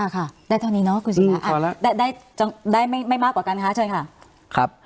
ค่ะได้เท่านี้เนาะคุณศิราได้ไม่มากกว่ากันคะเชิญค่ะ